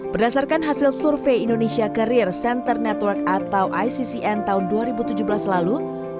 berdasarkan hasil survei indonesia carrier center network atau iccn tahun dua ribu tujuh belas lalu